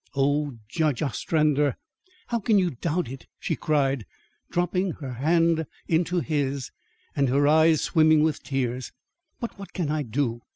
"O, Judge Ostrander, how can you doubt it?" she cried, dropping her hand into his, and her eyes swimming with tears. "But what can I do?